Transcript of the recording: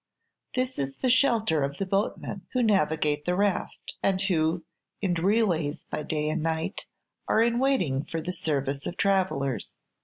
This is the shelter of the boatmen who navigate the raft, and who, in relays by day and night, are in waiting for the service of travellers.